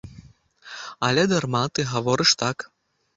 Але дарма ты гаворыш так.